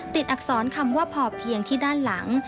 อักษรคำว่าพอเพียงที่ด้านหลัง